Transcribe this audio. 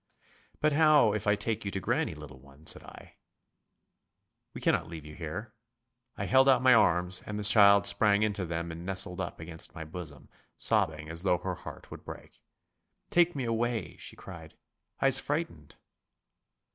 'But how if I take you to granny, little one,' said I. 'We cannot leave you here. 'I held out my arms, and the child sprang into them and nestled up against my bosom, sobbing as though her heart would break. 'Take me away,' she cried; 'I'se frightened.